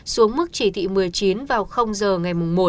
xuống mức chỉ thị một mươi chín vào giờ ngày một